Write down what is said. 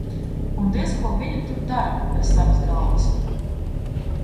Un diez ko viņa tur dara bez savas galvas?